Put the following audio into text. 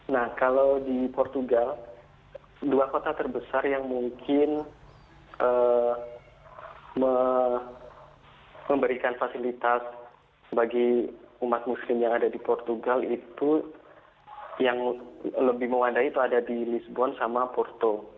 nah kalau di portugal dua kota terbesar yang mungkin memberikan fasilitas bagi umat muslim yang ada di portugal itu yang lebih memadai itu ada di lisbon sama porto